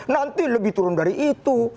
nanti lebih turun dari itu